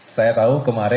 saya tahu kemarin